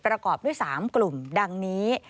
ประกอบด้วย๓กลุ่มดังนี้